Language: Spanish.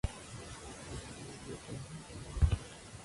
Azcón-Bieto, J. y M. Talón.